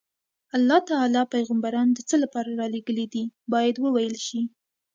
الله تعالی پیغمبران د څه لپاره رالېږلي دي باید وویل شي.